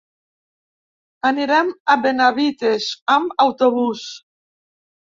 Anirem a Benavites amb autobús.